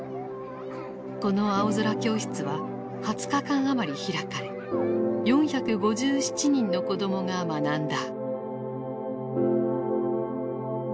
この青空教室は２０日間余り開かれ４５７人の子供が学んだ。